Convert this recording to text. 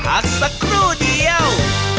อัศกรุเดียว